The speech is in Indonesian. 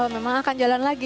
memang akan jalan lagi